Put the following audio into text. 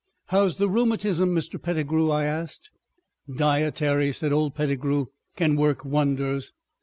"How's the rheumatism, Mr. Pettigrew?" I asked. "Dietary," said old Pettigrew, "can work wonders.